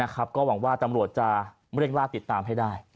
ก็หวังว่าตำรวจจะเร่งล่าติดตามให้ได้